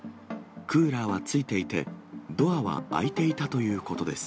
クーラーはついていて、ドアは開いていたということです。